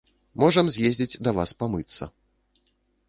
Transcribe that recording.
Можам з'ездзіць да вас памыцца.